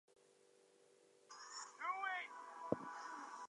An Edenist voidhawk named "Iasius" returns home to Saturn to die.